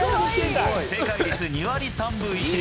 正解率２割３分１厘。